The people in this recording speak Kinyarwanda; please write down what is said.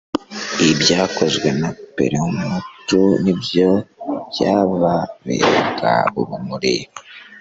ibyakozwe na parmehutu nibyo byababeraga urumuri